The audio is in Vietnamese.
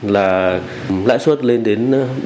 là lãi suất lên đến ba mươi